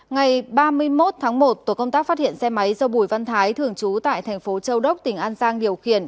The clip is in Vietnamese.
ngày ba mươi một tháng một tổ công tác phát hiện xe máy do bùi văn thái thường trú tại thành phố châu đốc tỉnh an giang điều khiển